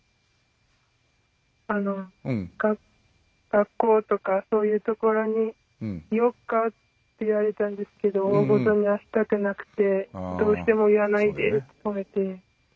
学校とかそういうところに言おうかって言われたんですけどおおごとにはしたくなくてどうしても言わないでって止めて。